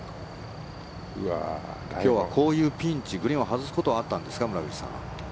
今日はこういうピンチグリーンを外すことはあったんですか？